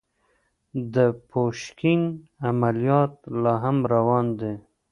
د پوشکين عمليات لا هم روان دي.